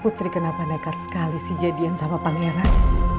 putri kenapa nekat sekali sih jadian sama pangeran